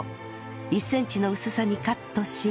１センチの薄さにカットし